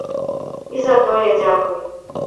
І за тое дзякуй.